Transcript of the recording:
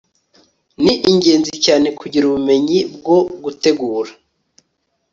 Ni ingenzi cyane kugira ubumenyi bwo gutegura